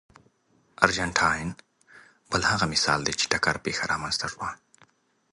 ارجنټاین بل هغه مثال دی چې ټکر پېښه رامنځته شوه.